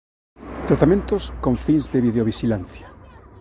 Tratamentos con fins de videovixilancia.